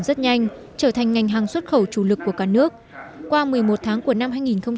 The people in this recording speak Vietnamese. rất nhanh trở thành ngành hàng xuất khẩu chủ lực của cả nước qua một mươi một tháng của năm hai nghìn hai mươi